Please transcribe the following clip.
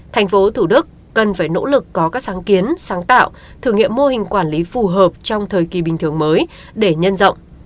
thành phố thủ đức cần phải nỗ lực có các sáng kiến sáng tạo thử nghiệm mô hình quản lý phù hợp trong thời kỳ bình thường mới để nhân rộng